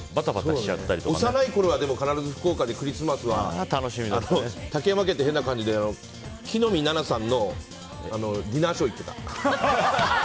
幼いころは必ず福岡でクリスマスは竹山家って変な感じで木の実ナナさんのディナーショー行ってた。